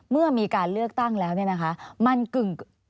เมื่อมีการเลือกตั้งแล้วเนี่ยนะคะมันกึ่ง